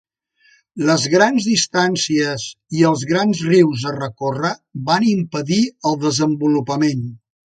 Les grans distàncies i els grans rius a recórrer van impedir el desenvolupament.